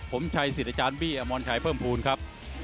ผมชัยสิทธิ์อาจารย์บี้อมรชัยเพิ่มภูมิครับ